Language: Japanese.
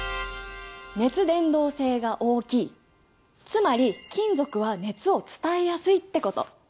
つまり金属は熱を伝えやすいってこと。